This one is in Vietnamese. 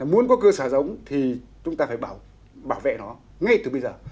muốn có cơ sở giống thì chúng ta phải bảo vệ nó ngay từ bây giờ